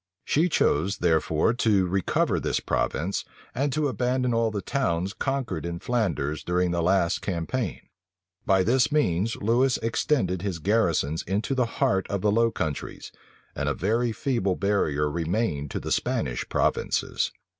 She chose therefore to recover this province, and to abandon all the towns conquered in Flanders during the last campaign. By this means Lewis extended his garrisons into the heart of the Low Countries; and a very feeble barrier remained to the Spanish provinces.